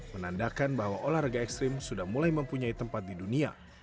menandakan bahwa olahraga ekstrim sudah mulai mempunyai tempat di dunia